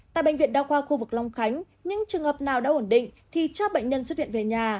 tại bệnh viện đa khoa khu vực long khánh những trường hợp nào đã ổn định thì cho bệnh nhân xuất viện về nhà